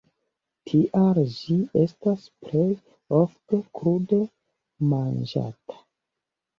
Tial ĝi estas plej ofte krude manĝata.